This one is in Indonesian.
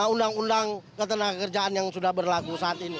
undang undang ketenaga kerjaan yang sudah berlaku saat ini